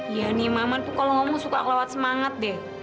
iya nih mama tuh kalau ngomong suka kelewat semangat deh